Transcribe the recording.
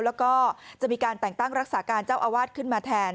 แล้วก็จะมีการแต่งตั้งรักษาการเจ้าอาวาสขึ้นมาแทน